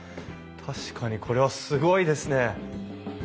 確かにこれはすごいですね！